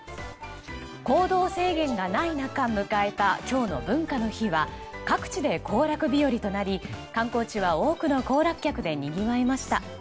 行動制限がない中迎えた今日の文化の日は各地で行楽日和となり観光地は多くの行楽客でにぎわいました。